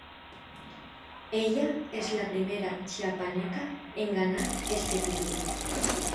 Ella es la primer Chiapaneca en ganar este título.